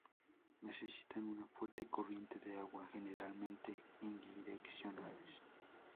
Necesitan una fuerte corriente de agua, generalmente unidireccionales.